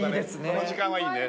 その時間はいいね